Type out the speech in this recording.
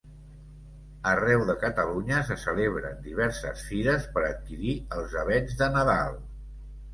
Arreu de Catalunya se celebren diverses fires per adquirir els avets de Nadal.